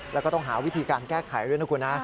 แล้วก็ต้องหาวิธีการแก้ไขด้วยนะคุณนะ